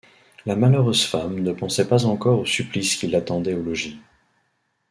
La malheureuse femme ne pensait pas encore au supplice qui l’attendait au logis.